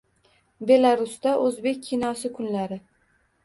Belarusda “O‘zbek kinosi kunlari”